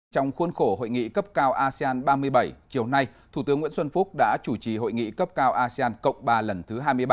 trong khuôn khổ hội nghị cấp cao asean ba mươi bảy chiều nay thủ tướng nguyễn xuân phúc đã chủ trì hội nghị cấp cao asean cộng ba lần thứ hai mươi ba